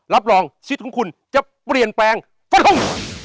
รับรองชีวิตของคุณจะเปลี่ยนแปลงก็ลง